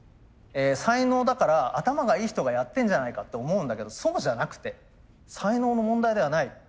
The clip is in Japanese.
才能だから頭がいい人がやってんじゃないかって思うんだけどそうじゃなくて才能の問題ではない。